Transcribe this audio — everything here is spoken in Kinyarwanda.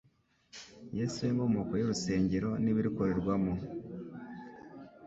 Yesu we nkomoko y’Urusengero n’ibirukorerwamo,